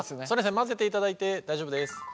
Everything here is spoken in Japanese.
混ぜていただいて大丈夫です。